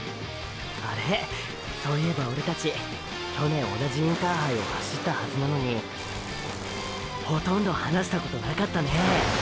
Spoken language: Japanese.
あれっそういえばオレたち去年同じインターハイを走ったはずなのにほとんど話したことなかったね！！